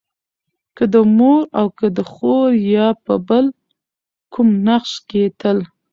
که د مور او که د خور يا په بل کوم نقش کې تل